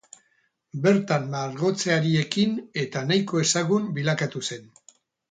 Bertan margotzeari ekin eta nahiko ezagun bilakatu zen.